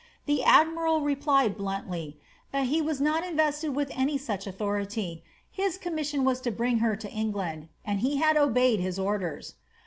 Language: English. The admiral replied bluntly, ^^ that he was not invested with any such authority. His commission was to bring her to England, and he had obeyed his orders."